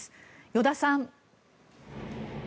依田さん。